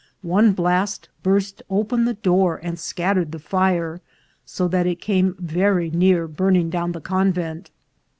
One blast burst open the door and scattered the fire, so that it came very near burn ing down the convent.